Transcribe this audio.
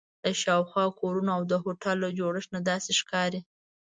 له شاوخوا کورونو او د هوټل له جوړښت نه داسې ښکاري.